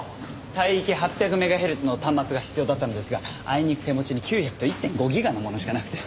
帯域８００メガヘルツの端末が必要だったのですがあいにく手持ちに９００と１．５ギガのものしかなくて。